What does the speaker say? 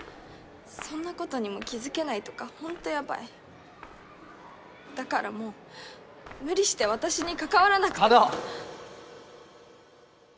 そんなことにも気づけないとか本当やばいだからもう無理して私に関わらなくて叶！